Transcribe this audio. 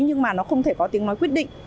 nhưng mà nó không thể có tiếng nói quyết định